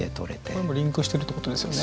これもリンクしてるってことですよね。